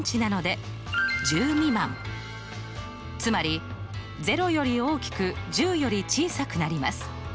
つまり０より大きく１０より小さくなります。